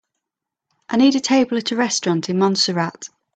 I need a table at a restaurant in Montserrat